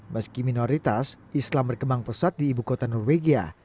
meski minoritas islam berkembang pesat di ibu kota norwegia